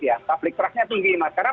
ya public trustnya tinggi mas karena